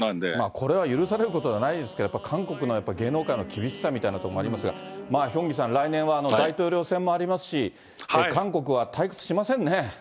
これは許されることではないですけど、やっぱり韓国の芸能界の厳しさみたいなところもありますが、ヒョンギさん、来年は大統領選もありますし、韓国は退屈しませんね。